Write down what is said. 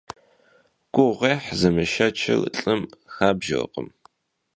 Guğuêh zımışşeçır lh'ım xabjjerkhım.